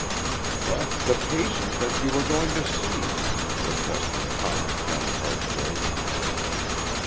"But the patient that you were going to see!" protested Thomas Cathcart Blake.